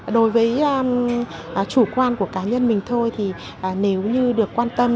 đối với chủ quan của cá nhân mình thôi thì nếu như được quan tâm